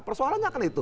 persoalannya kan itu